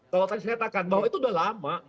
kalau tadi saya katakan bahwa itu sudah lama